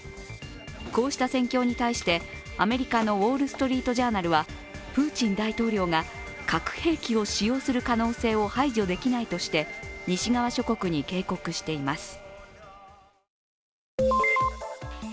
こうした戦況に対してアメリカの「ウォール・ストリート・ジャーナル」はプーチン大統領が核兵器を使用する可能性を排除できないとして西側諸国に警告しています。